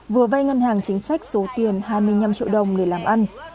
vừa vay ngân hàng chính sách số tiền hai mươi năm triệu đồng để làm ăn